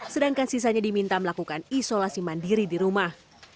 sedangkan sisanya diminta melakukan isolasi mandiri di rumah